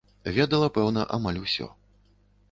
Ведала, пэўна, амаль усё.